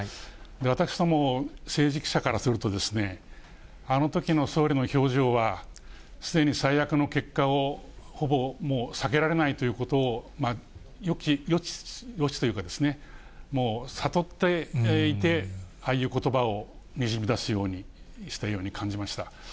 私ども政治記者からすると、あのときの総理の表情は、すでに最悪の結果をほぼ、もう避けられないということを予知というか、もう悟っていて、ああいうことばをにじみ出すようにしたように感じました。